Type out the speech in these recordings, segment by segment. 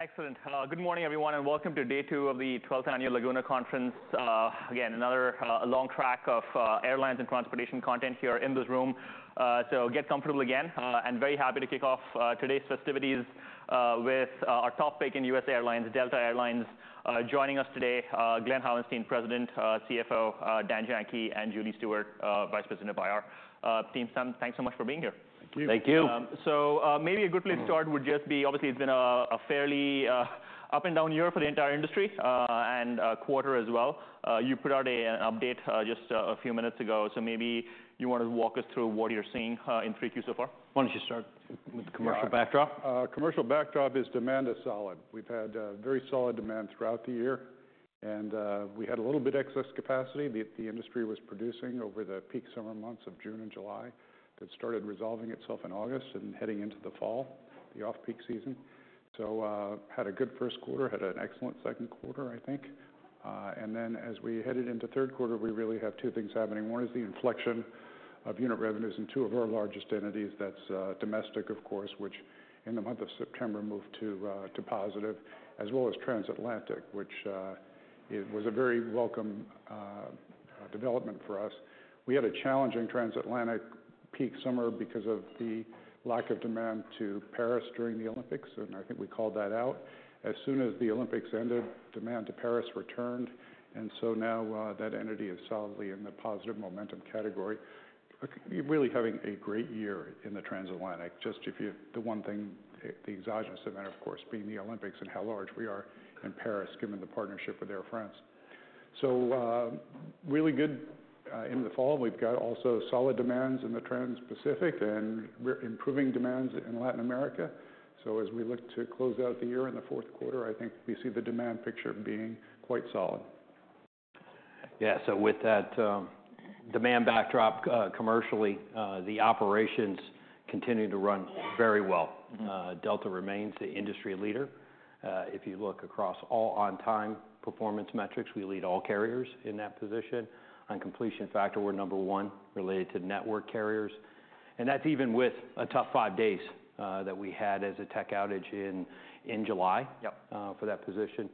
Excellent. Good morning, everyone, and welcome to day two of the twelfth annual Laguna Conference. Again, another long track of airlines and transportation content here in this room. So get comfortable again. I'm very happy to kick off today's festivities with our top pick in U.S. Airlines, Delta Air Lines. Joining us today, Glen Hauenstein, President, CFO, Dan Janki, and Julie Stewart, Vice President of IR. Team, thanks so much for being here. Thank you. Thank you. So, maybe a good place to start would just be, obviously, it's been a fairly up and down year for the entire industry, and quarter as well. You put out an update just a few minutes ago, so maybe you want to walk us through what you're seeing in 3Q so far. Why don't you start with the commercial backdrop? The commercial backdrop is demand is solid. We've had very solid demand throughout the year, and we had a little bit excess capacity. The industry was producing over the peak summer months of June and July. That started resolving itself in August and heading into the fall, the off-peak season, so we had a good first quarter, had an excellent second quarter, I think. And then, as we headed into the third quarter, we really have two things happening. One is the inflection of unit revenues in two of our largest entities, that's domestic, of course, which in the month of September moved to positive, as well as Transatlantic, which it was a very welcome development for us. We had a challenging Transatlantic peak summer because of the lack of demand to Paris during the Olympics, and I think we called that out. As soon as the Olympics ended, demand to Paris returned, and so now, that entity is solidly in the positive momentum category. Really having a great year in the Transatlantic, the one thing, the exogenous event, of course, being the Olympics and how large we are in Paris, given the partnership with Air France. So, really good in the fall. We've got also solid demands in the Transpacific, and we're improving demands in Latin America. So as we look to close out the year in the fourth quarter, I think we see the demand picture being quite solid. Yeah, so with that, demand backdrop, commercially, the operations continue to run very well. Mm-hmm. Delta remains the industry leader. If you look across all on-time performance metrics, we lead all carriers in that position. On completion factor, we're number one related to network carriers, and that's even with a tough five days that we had as a tech outage in July. Yep. For that position.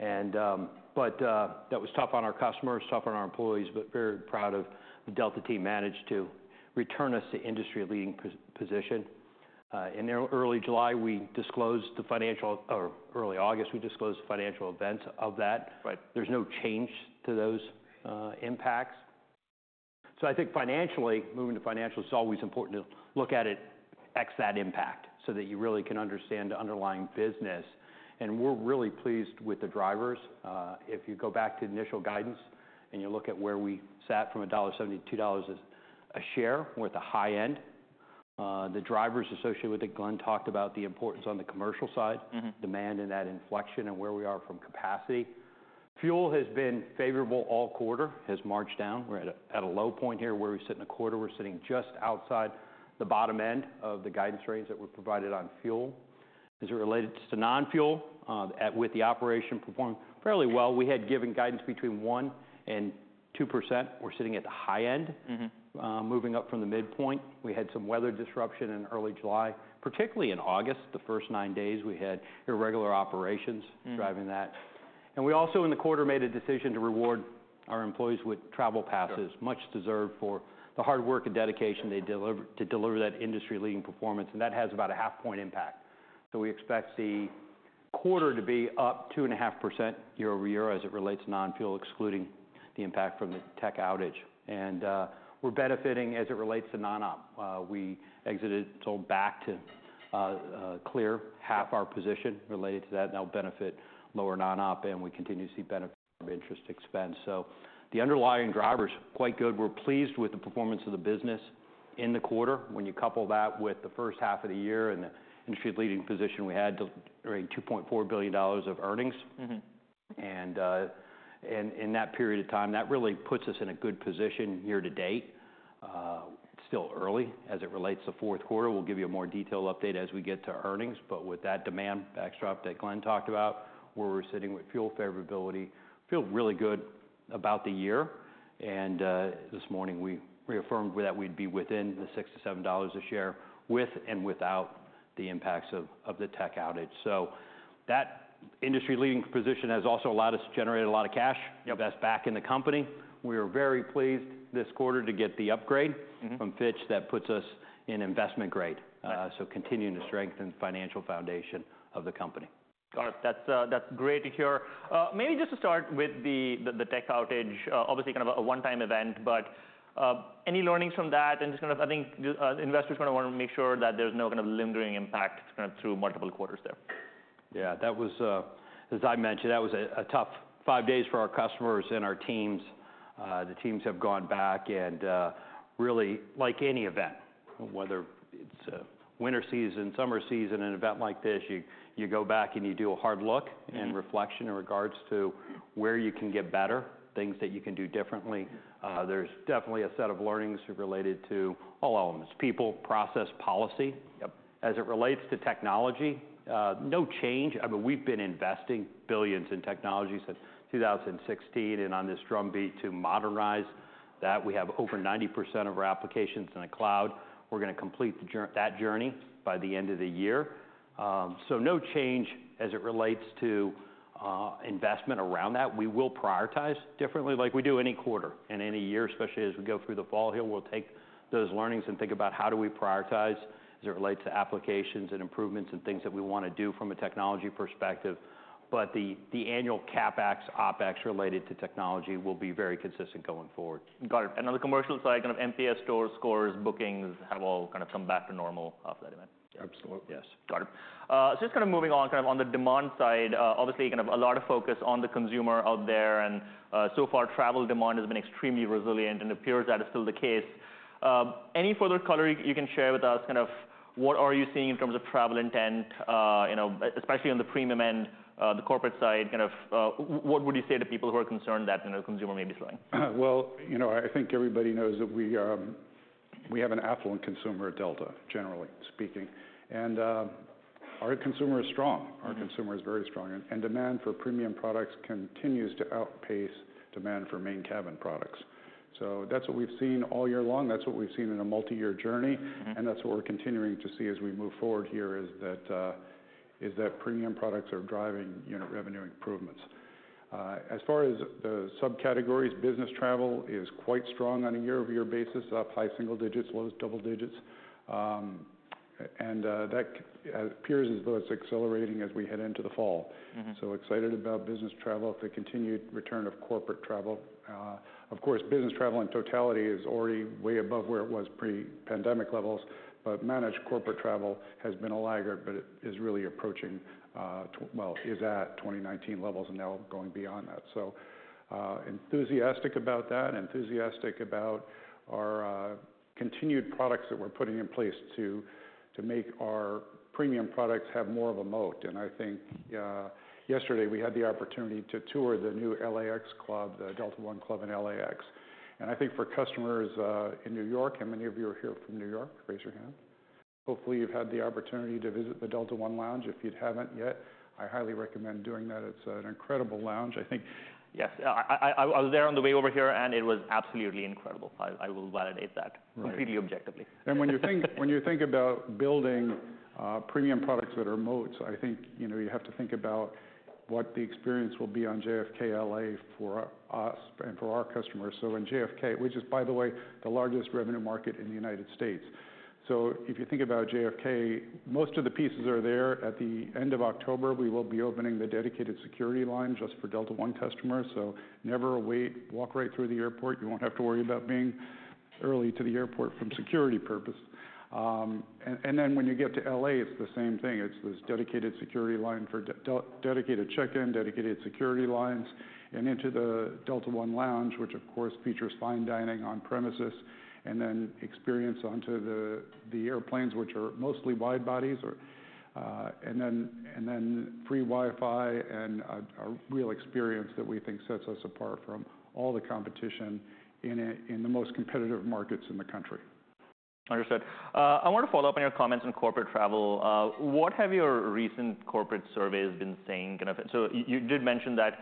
That was tough on our customers, tough on our employees, but very proud of the Delta team managed to return us to industry-leading position. In early August, we disclosed the financial events of that. Right. There's no change to those impacts. So I think financially, moving to financial, it's always important to look at it, ex that impact, so that you really can understand the underlying business. And we're really pleased with the drivers. If you go back to initial guidance, and you look at where we sat from $1.70-$2 a share, we're at the high end. The drivers associated with it, Glen talked about the importance on the commercial side- Mm-hmm. -demand and that inflection and where we are from capacity. Fuel has been favorable all quarter, has marched down. We're at a low point here where we sit in a quarter. We're sitting just outside the bottom end of the guidance range that we provided on fuel. As it related to non-fuel, at with the operation performing fairly well, we had given guidance between 1% and 2%. We're sitting at the high end. Mm-hmm. Moving up from the midpoint, we had some weather disruption in early July, particularly in August. The first nine days, we had irregular operations- Mm. -driving that. And we also, in the quarter, made a decision to reward our employees with travel passes- Sure. Much deserved for the hard work and dedication they deliver to deliver that industry-leading performance, and that has about a half point impact. So we expect the quarter to be up 2.5% year over year as it relates to non-fuel, excluding the impact from the tech outage. And we're benefiting as it relates to non-op. We exited, so back to clear half our position related to that, and that'll benefit lower non-op, and we continue to see benefit of interest expense. So the underlying driver is quite good. We're pleased with the performance of the business in the quarter. When you couple that with the first half of the year and the industry-leading position, we had to raise $2.4 billion of earnings. Mm-hmm. And in that period of time, that really puts us in a good position year to date. It's still early as it relates to fourth quarter. We'll give you a more detailed update as we get to earnings, but with that demand backdrop that Glen talked about, where we're sitting with fuel favorability, feel really good about the year. And this morning we reaffirmed that we'd be within the $6-$7 a share, with and without the impacts of the tech outage. So that industry-leading position has also allowed us to generate a lot of cash- Yep. That's back in the company. We are very pleased this quarter to get the upgrade. Mm-hmm. from Fitch. That puts us in investment grade. Uh. So continuing to strengthen the financial foundation of the company. All right. That's, that's great to hear. Maybe just to start with the tech outage, obviously kind of a one-time event, but, any learnings from that? And just kind of, I think, investors kind of want to make sure that there's no kind of lingering impact kind of through multiple quarters there. Yeah, that was. As I mentioned, that was a tough five days for our customers and our teams. The teams have gone back and really, like any event, whether it's a winter season, summer season, an event like this, you go back and you do a hard look- Mm-hmm. -and reflection in regards to where you can get better, things that you can do differently. There's definitely a set of learnings related to all elements: people, process, policy. Yep. As it relates to technology, no change. I mean, we've been investing billions in technology since 2016, and on this drum beat to modernize that we have over 90% of our applications in the cloud. We're gonna complete that journey by the end of the year. So no change as it relates to investment around that. We will prioritize differently like we do any quarter and any year, especially as we go through the fall here, we'll take those learnings and think about how do we prioritize as it relates to applications and improvements and things that we wanna do from a technology perspective. But the annual CapEx, OpEx related to technology will be very consistent going forward. Got it. And on the commercial side, kind of NPS scores, scores, bookings, have all kind of come back to normal after that event? Absolutely, yes. Got it, so just kind of moving on, kind of on the demand side, obviously, kind of a lot of focus on the consumer out there, and, so far, travel demand has been extremely resilient, and it appears that is still the case. Any further color you can share with us, kind of what are you seeing in terms of travel intent, you know, especially on the premium end, the corporate side, kind of, what would you say to people who are concerned that, you know, consumer may be slowing? You know, I think everybody knows that we have an affluent consumer at Delta, generally speaking, and our consumer is strong. Mm-hmm. Our consumer is very strong, and demand for premium products continues to outpace demand for Main Cabin products. So that's what we've seen all year long, that's what we've seen in a multiyear journey- Mm-hmm... and that's what we're continuing to see as we move forward here, is that premium products are driving unit revenue improvements. As far as the subcategories, business travel is quite strong on a year-over-year basis, up high single digits, low double digits. And that appears as though it's accelerating as we head into the fall. Mm-hmm. So excited about business travel, the continued return of corporate travel. Of course, business travel in totality is already way above where it was pre-pandemic levels, but managed corporate travel has been a laggard, but it is really approaching, is at 2019 levels and now going beyond that. So, enthusiastic about that, enthusiastic about our continued products that we're putting in place to make our premium products have more of a moat. And I think, yesterday, we had the opportunity to tour the new LAX club, the Delta One club in LAX. And I think for customers, in New York, how many of you are here from New York? Raise your hand. Hopefully, you've had the opportunity to visit the Delta One lounge. If you haven't yet, I highly recommend doing that. It's an incredible lounge, I think. Yes, I was there on the way over here, and it was absolutely incredible. I will validate that- Right... completely objectively. When you think about building premium products that are moats, I think, you know, you have to think about what the experience will be on JFK, LA for us and for our customers. In JFK, which is, by the way, the largest revenue market in the United States. If you think about JFK, most of the pieces are there. At the end of October, we will be opening the dedicated security line just for Delta One customers, so never wait, walk right through the airport. You won't have to worry about being early to the airport for security purpose. And then when you get to LA, it's the same thing. It's this dedicated security line for dedicated check-in, dedicated security lines, and into the Delta One lounge, which of course features fine dining on premises, and then experience onto the airplanes, which are mostly wide bodies, and then free Wi-Fi and a real experience that we think sets us apart from all the competition in the most competitive markets in the country. Understood. I want to follow up on your comments on corporate travel. What have your recent corporate surveys been saying? Kind of, so you did mention that,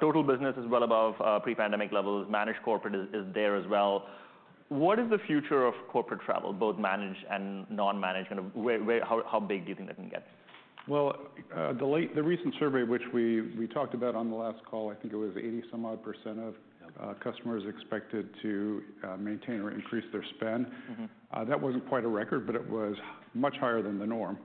total business is well above, pre-pandemic levels. Managed corporate is there as well. What is the future of corporate travel, both managed and non-managed? Kind of, where, how big do you think that can get? The recent survey, which we talked about on the last call, I think it was 80-some-odd % of- Yeah... customers expected to maintain or increase their spend. Mm-hmm. That wasn't quite a record, but it was much higher than the norm,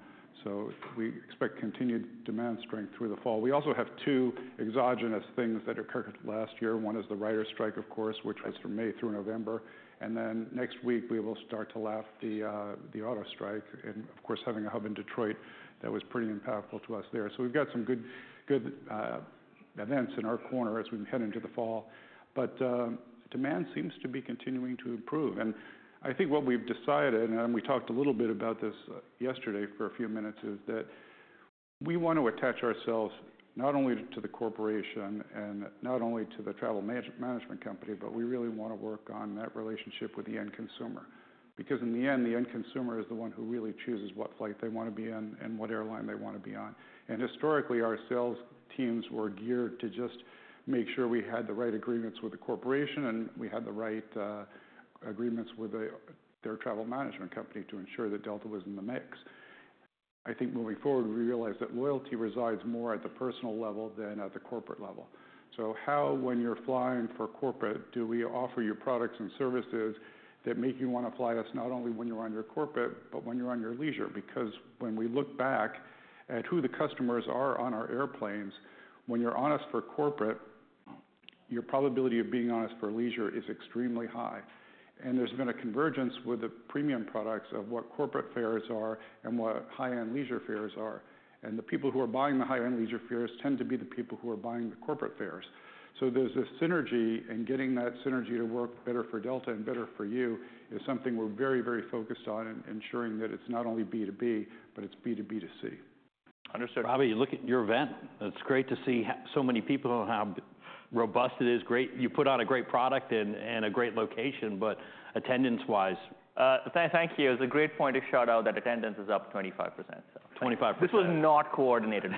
so we expect continued demand strength through the fall. We also have two exogenous things that occurred last year. One is the writer's strike, of course- Right... which was from May through November, and then next week we will start to lap the auto strike. And, of course, having a hub in Detroit, that was pretty impactful to us there. So we've got some good events in our corner as we head into the fall. But demand seems to be continuing to improve. And I think what we've decided, and we talked a little bit about this yesterday for a few minutes, is that we want to attach ourselves not only to the corporation and not only to the travel management company, but we really wanna work on that relationship with the end consumer. Because in the end, the end consumer is the one who really chooses what flight they want to be on and what airline they want to be on. And historically, our sales teams were geared to just make sure we had the right agreements with the corporation, and we had the right agreements with their travel management company to ensure that Delta was in the mix. I think moving forward, we realized that loyalty resides more at the personal level than at the corporate level. So how, when you're flying for corporate, do we offer you products and services that make you want to fly us not only when you're on your corporate but when you're on your leisure? Because when we look back at who the customers are on our airplanes, when you're on us for corporate, your probability of being on us for leisure is extremely high. And there's been a convergence with the premium products of what corporate fares are and what high-end leisure fares are. And the people who are buying the high-end leisure fares tend to be the people who are buying the corporate fares. So there's a synergy, and getting that synergy to work better for Delta and better for you is something we're very, very focused on in ensuring that it's not only B2B, but it's B2B2C. Understood. Ravi, you look at your event, it's great to see so many people and how robust it is. Great. You put out a great product and a great location, but attendance-wise? Thank you. It's a great point to shout out that attendance is up 25%, so. 25%. This was not coordinated.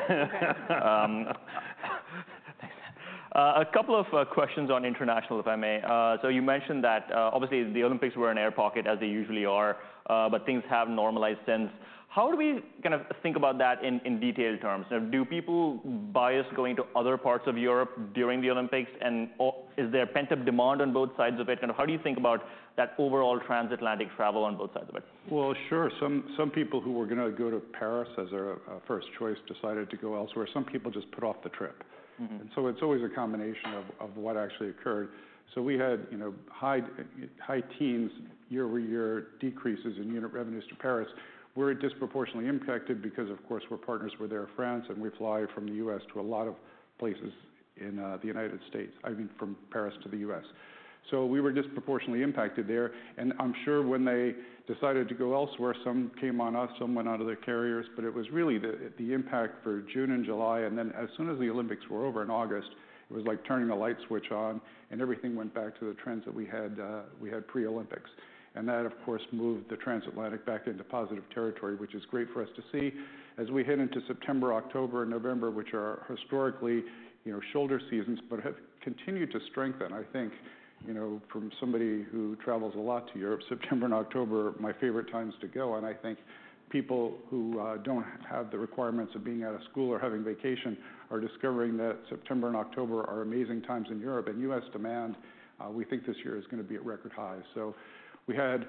A couple of questions on international, if I may. So you mentioned that obviously the Olympics were an air pocket, as they usually are, but things have normalized since. How do we kind of think about that in detailed terms? Now, do people bias going to other parts of Europe during the Olympics, and or is there pent-up demand on both sides of it? Kind of how do you think about that overall transatlantic travel on both sides of it? Sure. Some people who were gonna go to Paris as their first choice decided to go elsewhere. Some people just put off the trip. Mm-hmm. It's always a combination of what actually occurred. So we had, you know, high, high teens year-over-year decreases in unit revenues to Paris. We're disproportionately impacted because, of course, we're partners with Air France, and we fly from the U.S. to a lot of places in the United States, I mean, from Paris to the US. So we were disproportionately impacted there, and I'm sure when they decided to go elsewhere, some came on us, some went onto other carriers. But it was really the impact for June and July, and then as soon as the Olympics were over in August, it was like turning a light switch on, and everything went back to the trends that we had, we had pre-Olympics. And that, of course, moved the transatlantic back into positive territory, which is great for us to see. As we head into September, October and November, which are historically, you know, shoulder seasons, but have continued to strengthen. I think, you know, from somebody who travels a lot to Europe, September and October are my favorite times to go, and I think people who don't have the requirements of being out of school or having vacation are discovering that September and October are amazing times in Europe. And U.S. demand, we think this year is gonna be at record high. So we had.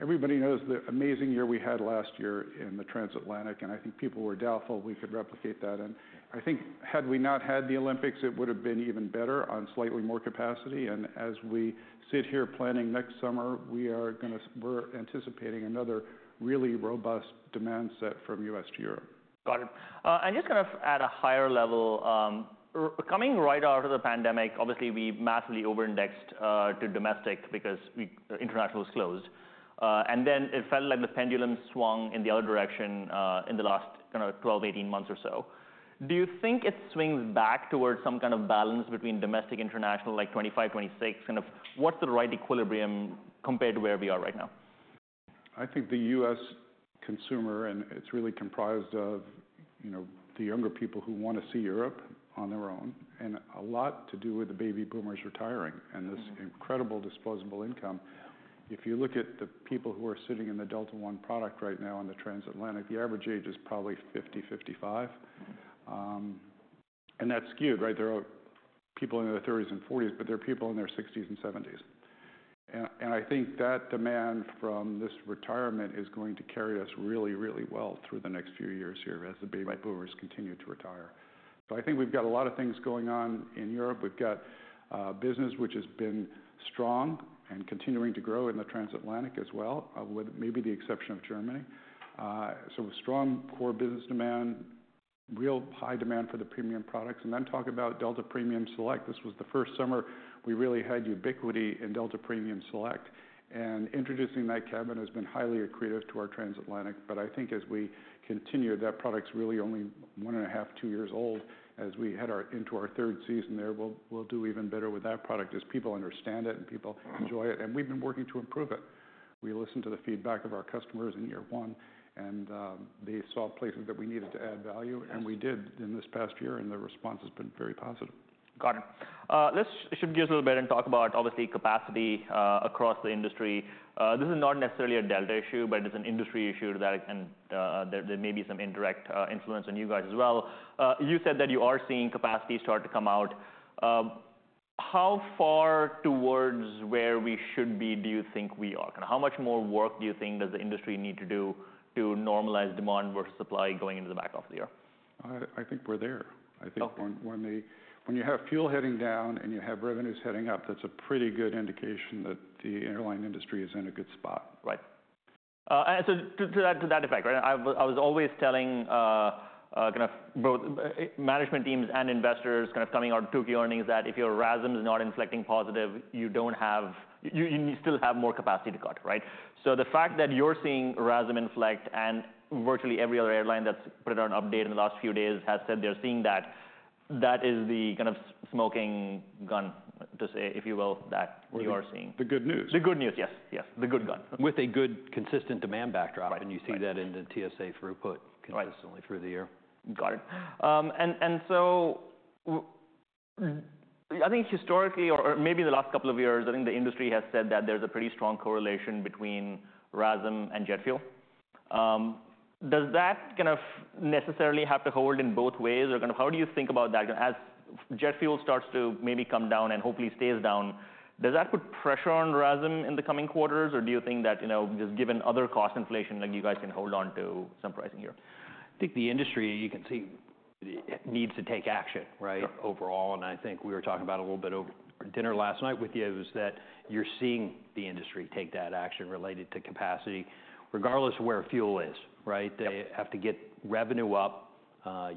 Everybody knows the amazing year we had last year in the transatlantic, and I think people were doubtful we could replicate that, and I think had we not had the Olympics, it would've been even better on slightly more capacity, and as we sit here planning next summer, we are gonna. We're anticipating another really robust demand set from U.S. to Europe. Got it. And just kind of at a higher level, coming right out of the pandemic, obviously, we massively over-indexed to domestic because international was closed. And then it felt like the pendulum swung in the other direction, in the last kind of twelve, eighteen months or so. Do you think it swings back towards some kind of balance between domestic, international, like twenty-five, twenty-six? Kind of what's the right equilibrium compared to where we are right now? I think the U.S. consumer, and it's really comprised of, you know, the younger people who want to see Europe on their own, and a lot to do with the baby boomers retiring- Mm-hmm... and this incredible disposable income. If you look at the people who are sitting in the Delta One product right now on the transatlantic, the average age is probably 50, 55. And that's skewed, right? There are people in their thirties and forties, but there are people in their sixties and seventies. And I think that demand from this retirement is going to carry us really, really well through the next few years here as the baby- Right Boomers continue to retire. So I think we've got a lot of things going on in Europe. We've got business, which has been strong and continuing to grow in the transatlantic as well, with maybe the exception of Germany. So a strong core business demand, real high demand for the premium products, and then talk about Delta Premium Select. This was the first summer we really had ubiquity in Delta Premium Select, and introducing that cabin has been highly accretive to our transatlantic. But I think as we continue, that product's really only one and a half, two years old. As we head into our third season there, we'll do even better with that product as people understand it and people enjoy it, and we've been working to improve it. We listened to the feedback of our customers in year one, and, they saw places that we needed to add value, and we did in this past year, and the response has been very positive. Got it. Let's shift gears a little bit and talk about, obviously, capacity, across the industry. This is not necessarily a Delta issue, but it's an industry issue that can. There may be some indirect influence on you guys as well. You said that you are seeing capacity start to come out. How far towards where we should be do you think we are? And how much more work do you think does the industry need to do to normalize demand versus supply going into the back half of the year? I think we're there. Okay. I think when you have fuel heading down and you have revenues heading up, that's a pretty good indication that the airline industry is in a good spot. Right. And so to that effect, right, I was always telling kind of both management teams and investors, kind of coming out of two key earnings, that if your RASM is not inflecting positive, you don't have... You still have more capacity to cut, right? So the fact that you're seeing RASM inflect and virtually every other airline that's put out an update in the last few days has said they're seeing that, that is the kind of smoking gun to say, if you will, that we are seeing- The good news. The good news, yes, yes. The good gun. With a good, consistent demand backdrop- Right, right... and you see that in the TSA throughput- Right - consistently through the year. Got it. And so, I think historically, or maybe in the last couple of years, I think the industry has said that there's a pretty strong correlation between RASM and jet fuel. Does that kind of necessarily have to hold in both ways? Or kind of how do you think about that, as jet fuel starts to maybe come down and hopefully stays down, does that put pressure on RASM in the coming quarters, or do you think that, you know, just given other cost inflation, that you guys can hold on to some pricing here? I think the industry, you can see, it needs to take action, right? Sure... overall, and I think we were talking about a little bit over dinner last night with you, is that you're seeing the industry take that action related to capacity regardless of where fuel is, right? They have to get revenue up,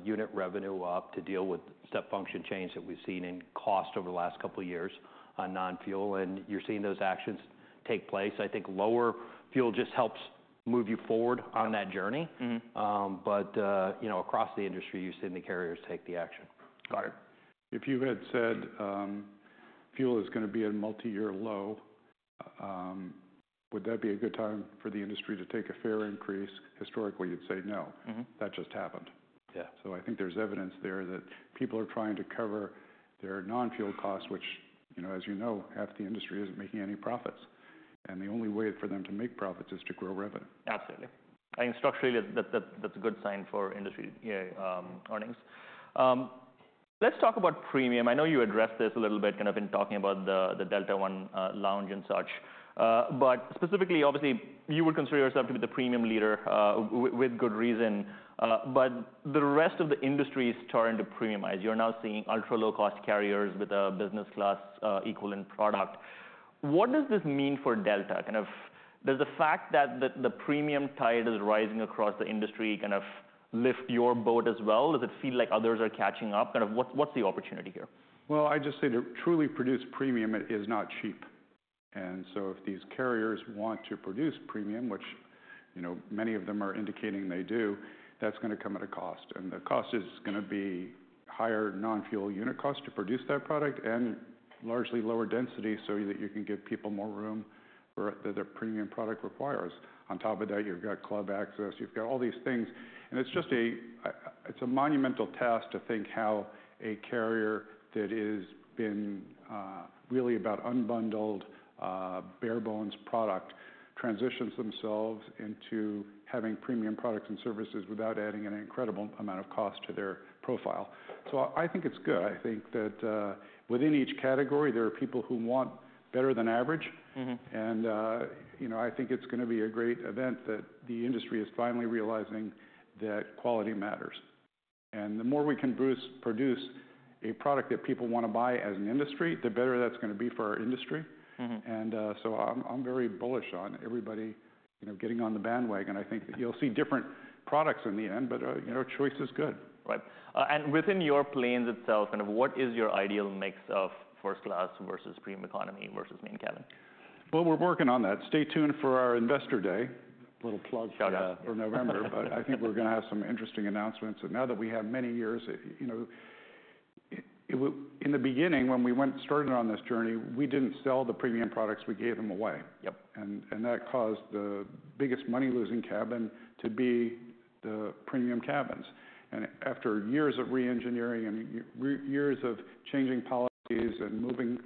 unit revenue up to deal with step function change that we've seen in cost over the last couple of years on non-fuel, and you're seeing those actions take place. I think lower fuel just helps move you forward on that journey. Mm-hmm. you know, across the industry, you're seeing the carriers take the action. Got it. If you had said, fuel is gonna be a multi-year low, would that be a good time for the industry to take a fare increase? Historically, you'd say, "No. Mm-hmm. That just happened. Yeah. So, I think there's evidence there that people are trying to cover their non-fuel costs, which, you know, as you know, half the industry isn't making any profits. And the only way for them to make profits is to grow revenue. Absolutely. I think structurally, that's a good sign for industry, yeah, earnings. Let's talk about premium. I know you addressed this a little bit, kind of in talking about the Delta One lounge and such. But specifically, obviously, you would consider yourself to be the premium leader with good reason, but the rest of the industry is turning to premiumize. You're now seeing ultra-low-cost carriers with a business class equivalent product. What does this mean for Delta? Kind of, does the fact that the premium tide is rising across the industry kind of lift your boat as well? Does it feel like others are catching up? Kind of, what's the opportunity here? I just say to truly produce premium, it is not cheap. And so if these carriers want to produce premium, which, you know, many of them are indicating they do, that's gonna come at a cost. And the cost is gonna be higher non-fuel unit cost to produce that product and largely lower density so that you can give people more room for what their premium product requires. On top of that, you've got club access, you've got all these things, and it's just a... it's a monumental task to think how a carrier that has been really about unbundled bare bones product transitions themselves into having premium products and services without adding an incredible amount of cost to their profile. So I think it's good. I think that within each category, there are people who want better than average. Mm-hmm. And, you know, I think it's gonna be a great event, that the industry is finally realizing that quality matters. And the more we can produce a product that people wanna buy as an industry, the better that's gonna be for our industry. Mm-hmm. I'm very bullish on everybody, you know, getting on the bandwagon. I think that you'll see different products in the end, but you know, choice is good. Right, and within your planes itself, kind of what is your ideal mix of first class versus premium economy versus main cabin? We're working on that. Stay tuned for our Investor Day. A little plug- Shout out for November, but I think we're gonna have some interesting announcements. And now that we have many years, you know. In the beginning, when we started on this journey, we didn't sell the premium products, we gave them away. Yep. And that caused the biggest money-losing cabin to be the premium cabins. And after years of re-engineering and years of changing policies and moving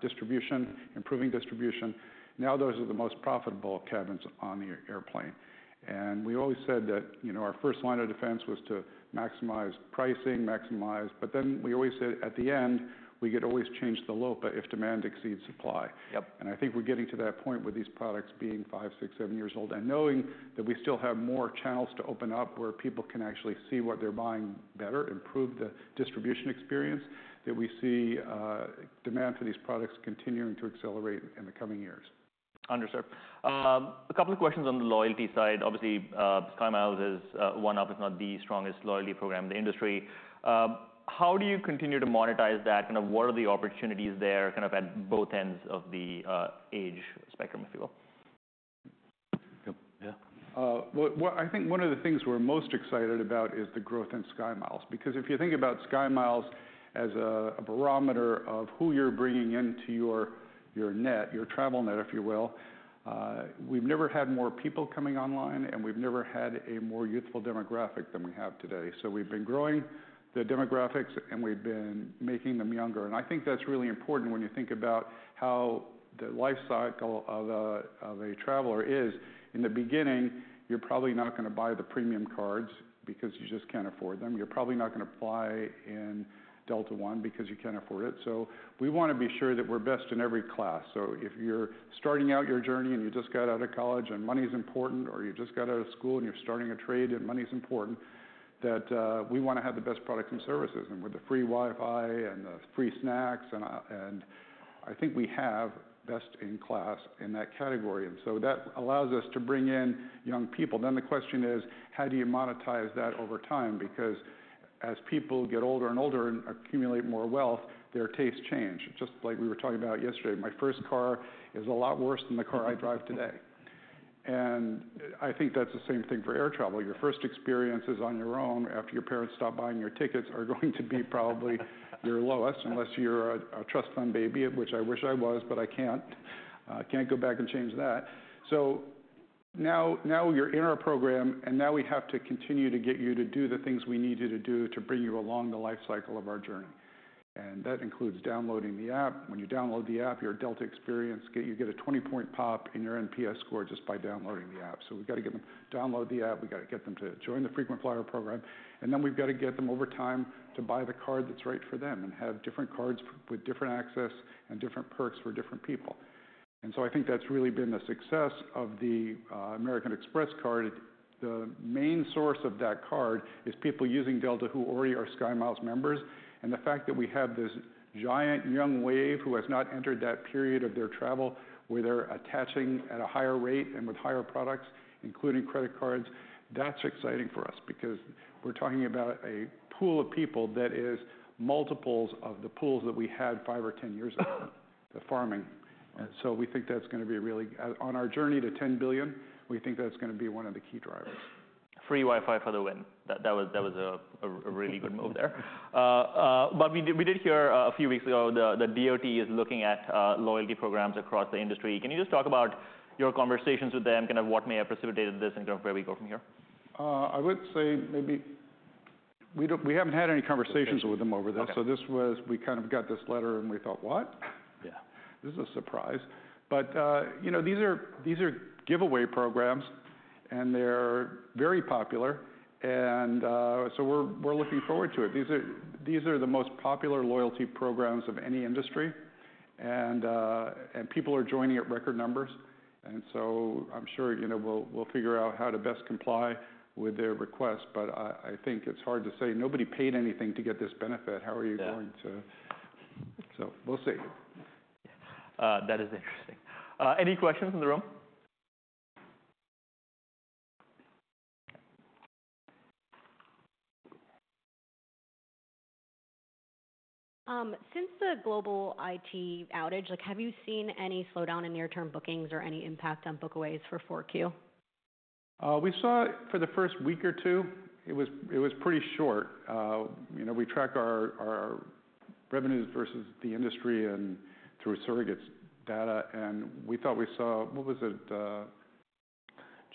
distribution, improving distribution, now those are the most profitable cabins on the airplane. And we always said that, you know, our first line of defense was to maximize pricing, maximize... But then we always said, at the end, we could always change the LOPA if demand exceeds supply. Yep. I think we're getting to that point with these products being five, six, seven years old, and knowing that we still have more channels to open up where people can actually see what they're buying better, improve the distribution experience, that we see demand for these products continuing to accelerate in the coming years. Understood. A couple of questions on the loyalty side. Obviously, SkyMiles is one of, if not the strongest loyalty program in the industry. How do you continue to monetize that? And what are the opportunities there, kind of at both ends of the age spectrum, if you will? Yep. Yeah. Well, I think one of the things we're most excited about is the growth in SkyMiles. Because if you think about SkyMiles as a barometer of who you're bringing into your net, your travel net, if you will, we've never had more people coming online, and we've never had a more youthful demographic than we have today. So we've been growing the demographics, and we've been making them younger. And I think that's really important when you think about how the life cycle of a traveler is. In the beginning, you're probably not gonna buy the premium cards because you just can't afford them. You're probably not gonna fly in Delta One because you can't afford it. So we wanna be sure that we're best in every class. So if you're starting out your journey and you just got out of college and money is important, or you just got out of school and you're starting a trade and money is important, that, we wanna have the best products and services. And with the free Wi-Fi and the free snacks and, and I think we have best in class in that category. And so that allows us to bring in young people. Then the question is: How do you monetize that over time? Because as people get older and older and accumulate more wealth, their tastes change. Just like we were talking about yesterday, my first car is a lot worse than the car I drive today. And I think that's the same thing for air travel. Your first experiences on your own, after your parents stop buying your tickets, are going to be probably your lowest, unless you're a trust fund baby, which I wish I was, but I can't. I can't go back and change that. So now, now you're in our program, and now we have to continue to get you to do the things we need you to do to bring you along the life cycle of our journey, and that includes downloading the app. When you download the app, your Delta experience, you get a 20-point pop in your NPS score just by downloading the app. So we've got to get them to download the app, we've got to get them to join the frequent flyer program, and then we've got to get them, over time, to buy the card that's right for them and have different cards with different access and different perks for different people. And so I think that's really been the success of the American Express card. The main source of that card is people using Delta who already are SkyMiles members, and the fact that we have this giant, young wave who has not entered that period of their travel, where they're attaching at a higher rate and with higher products, including credit cards, that's exciting for us because we're talking about a pool of people that is multiples of the pools that we had five or ten years ago, the farming. And so we think that's gonna be really... On our journey to ten billion, we think that's gonna be one of the key drivers.... Free Wi-Fi for the win. That was a really good move there. But we did hear a few weeks ago the DOT is looking at loyalty programs across the industry. Can you just talk about your conversations with them? Kind of what may have precipitated this, in terms of where we go from here? I would say maybe we don't - we haven't had any conversations- Okay with them over this. Okay. So this was... We kind of got this letter, and we thought, "What? Yeah. This is a surprise, but you know, these are, these are giveaway programs, and they're very popular, and, so we're, we're looking forward to it. These are, these are the most popular loyalty programs of any industry, and, and people are joining at record numbers, and so I'm sure, you know, we'll, we'll figure out how to best comply with their request, but I, I think it's hard to say. Nobody paid anything to get this benefit. Yeah. How are you going to...? So we'll see. That is interesting. Any questions in the room? Since the global IT outage, like, have you seen any slowdown in near-term bookings or any impact on book-aways for 4Q? We saw for the first week or two, it was pretty short. You know, we track our revenues versus the industry and through surrogate data, and we thought we saw... What was it,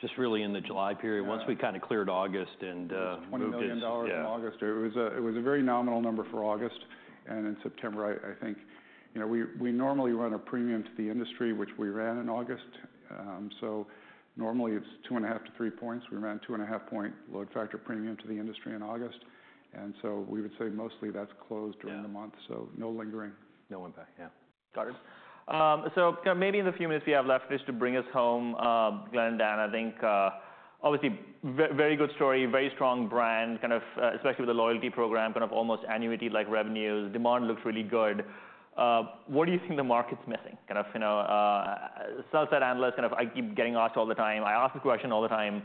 Just really in the July period- Yeah... Once we kind of cleared August and moved it- It was $1 million in August. Yeah. It was a very nominal number for August, and in September, I think. You know, we normally run a premium to the industry, which we ran in August. So normally it's two and a half to three points. We ran a two-and-a-half point load factor premium to the industry in August, and so we would say mostly that's closed- Yeah... during the month, so no lingering. No impact, yeah. Got it. So kind of maybe in the few minutes we have left, just to bring us home, Glen and Dan, I think, obviously, very good story, very strong brand, kind of, especially with the loyalty program, kind of almost annuity-like revenues. Demand looks really good. What do you think the market's missing? Kind of, you know, as a sell-side analyst, kind of, I keep getting asked all the time. I ask the question all the time,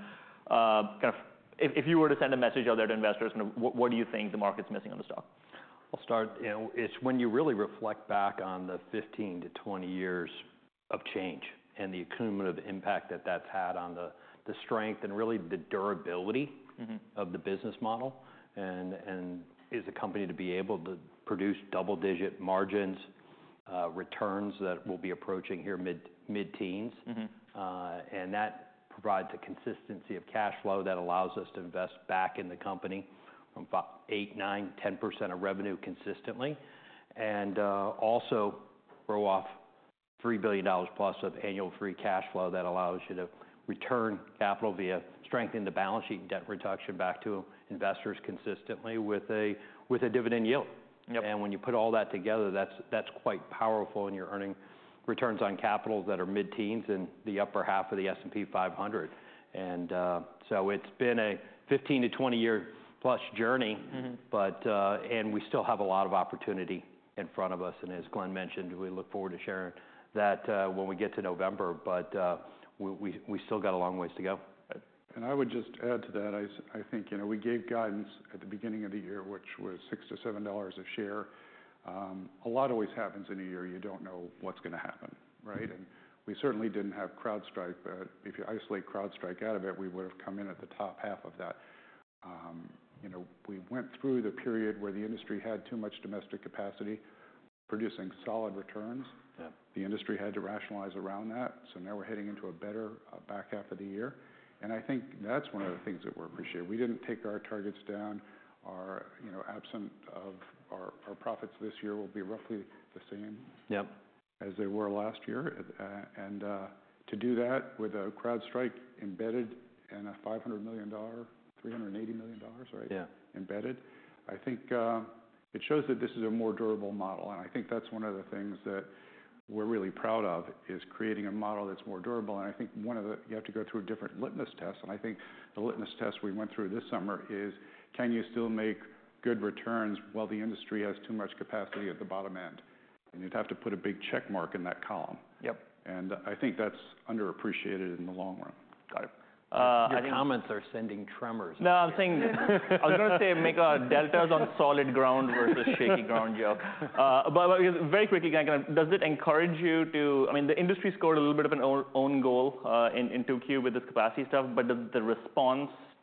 kind of, if you were to send a message out there to investors, kind of, what do you think the market's missing on the stock? I'll start. You know, it's when you really reflect back on the fifteen to twenty years of change and the accumulative impact that that's had on the strength and really the durability. Mm-hmm... of the business model, and is the company to be able to produce double-digit margins, returns that will be approaching here mid-teens. Mm-hmm. And that provides a consistency of cash flow that allows us to invest back in the company from about 8-10% of revenue consistently, and also throw off $3 billion plus of annual free cash flow. That allows you to return capital via strengthen the balance sheet and debt reduction back to investors consistently with a dividend yield. Yep. When you put all that together, that's, that's quite powerful, and you're earning returns on capitals that are mid-teens in the upper half of the S&P 500. So it's been a fifteen to twenty-year-plus journey. Mm-hmm. We still have a lot of opportunity in front of us, and as Glen mentioned, we look forward to sharing that when we get to November, but we still got a long ways to go. And I would just add to that. I think, you know, we gave guidance at the beginning of the year, which was $6-$7 a share. A lot always happens in a year. You don't know what's going to happen, right? Mm-hmm. And we certainly didn't have CrowdStrike, but if you isolate CrowdStrike out of it, we would've come in at the top half of that. You know, we went through the period where the industry had too much domestic capacity, producing solid returns. Yeah. The industry had to rationalize around that, so now we're heading into a better back half of the year, and I think that's one of the things that we're appreciating. We didn't take our targets down. Our, you know, absent of... Our profits this year will be roughly the same- Yep... as they were last year. And to do that with CrowdStrike embedded and a $500 million, $380 million, right? Yeah. Embedded. I think, it shows that this is a more durable model, and I think that's one of the things that we're really proud of, is creating a model that's more durable. And I think one of the. You have to go through a different litmus test, and I think the litmus test we went through this summer is: Can you still make good returns while the industry has too much capacity at the bottom end? And you'd have to put a big check mark in that column. Yep. I think that's underappreciated in the long run. Got it. I think- Your comments are sending tremors. No, I'm saying I was gonna say, make Delta's on solid ground versus shaky ground, yo. But very quickly, kind of, does it encourage you?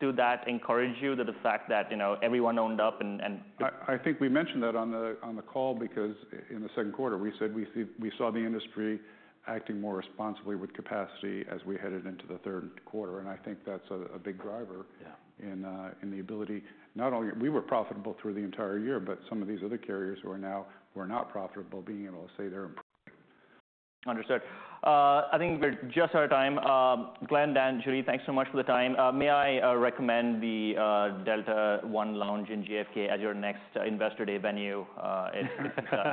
That the fact that, you know, everyone owned up and, and- I think we mentioned that on the call because in the second quarter, we said we saw the industry acting more responsibly with capacity as we headed into the third quarter, and I think that's a big driver- Yeah... in the ability, not only... We were profitable through the entire year, but some of these other carriers who are now were not profitable, being able to say they're improved. Understood. I think we're just out of time. Glen, Dan, Julie, thanks so much for the time. May I recommend the Delta One Lounge in JFK as your next Investor Day venue? I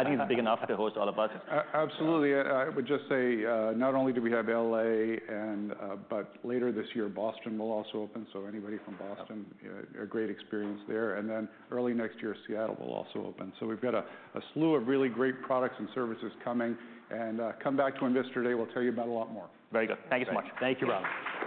think it's big enough to host all of us. Absolutely. I would just say, not only do we have LA but later this year, Boston will also open, so anybody from Boston- Yep... a great experience there and then early next year, Seattle will also open so we've got a slew of really great products and services coming and come back to Investor Day, we'll tell you about a lot more. Very good. Thank you so much. Thank you. Thank you, Ravi